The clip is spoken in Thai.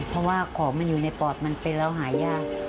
เพราะว่าของมันอยู่ในปอดมันเป็นแล้วหายาก